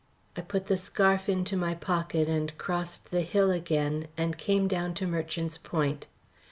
I put the scarf into my pocket, and crossed the hill again and came down to Merchant's Point.